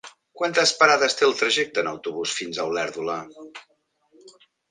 Quantes parades té el trajecte en autobús fins a Olèrdola?